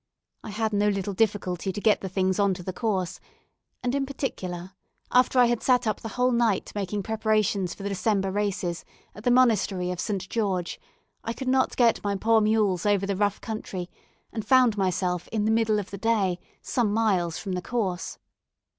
I had no little difficulty to get the things on to the course; and in particular, after I had sat up the whole night making preparations for the December races, at the Monastery of St. George, I could not get my poor mules over the rough country, and found myself, in the middle of the day, some miles from the course.